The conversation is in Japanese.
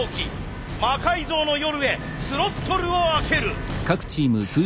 「魔改造の夜」へスロットルを開ける。